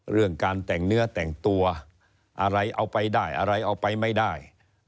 เรื่องการแต่งเนื้อแต่งตัวอะไรเอาไปได้อะไรเอาไปไม่ได้